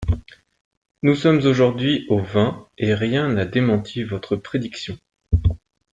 Nous sommes aujourd’hui au vingt, et rien n’a démenti votre prédiction.